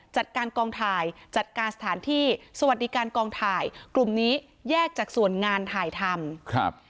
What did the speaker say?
จัดการกองถ่ายจัดการสถานที่สวัสดิการกองถ่ายกลุ่มนี้แยกจากส่วนงานถ่ายทำครับ